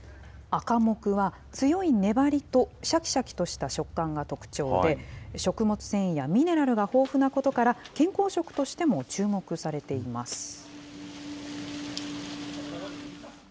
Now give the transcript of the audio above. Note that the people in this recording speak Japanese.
アカモクは強い粘りと、しゃきしゃきとした食感が特徴で、食物繊維やミネラルが豊富なことから、健康食としても注目されています。